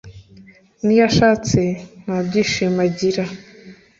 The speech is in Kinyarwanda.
niyo ashatse nta byishimo agira